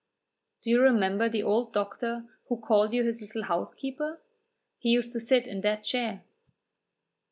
"Do you remember the old doctor who called you his little housekeeper? He used to sit in that chair."